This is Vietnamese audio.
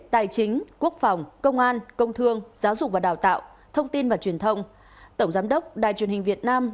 tài chính quốc phòng công an công thương giáo dục và đào tạo thông tin và truyền thông tổng giám đốc đài truyền hình việt nam